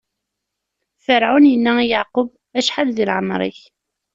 Ferɛun inna i Yeɛqub: Acḥal di lɛemṛ-ik?